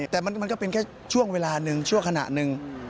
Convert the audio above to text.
แต่มันก็เป็นแค่ช่วงเวลาหนึ่งชั่วขณะหนึ่ง